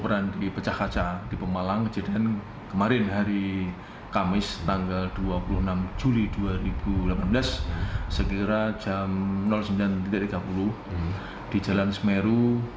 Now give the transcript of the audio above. berada di pecah kaca di pemalang kejadian kemarin hari kamis tanggal dua puluh enam juli dua ribu delapan belas sekira jam sembilan tiga puluh di jalan semeru